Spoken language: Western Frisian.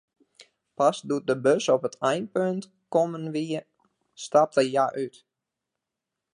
Pas doe't de bus op it einpunt kommen wie, stapte hja út.